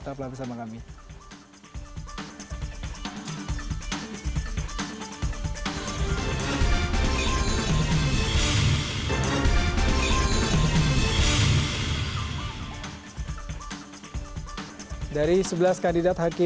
sampai jumpa lagi bersama kami